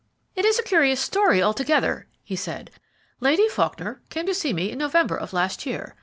"It is a curious story altogether," he said. "Lady Faulkner came to see me in the November of last year.